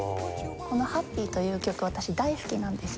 この『ハッピー』という曲私大好きなんですよ。